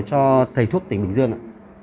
cho thầy thuốc tỉnh bình dương ạ